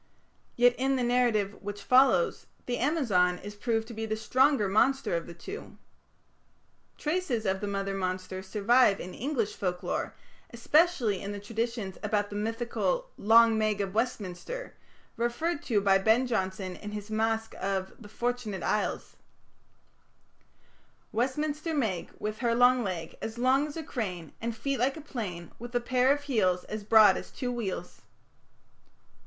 Yet, in the narrative which follows the Amazon is proved to be the stronger monster of the two. Traces of the mother monster survive in English folklore, especially in the traditions about the mythical "Long Meg of Westminster", referred to by Ben Jonson in his masque of the "Fortunate Isles": Westminster Meg, With her long leg, As long as a crane; And feet like a plane, With a pair of heels As broad as two wheels.